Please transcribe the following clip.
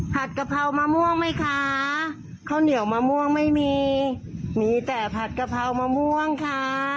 กะเพรามะม่วงไหมคะข้าวเหนียวมะม่วงไม่มีมีแต่ผัดกะเพรามะม่วงค่ะ